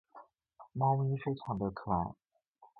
猫咪非常的可爱。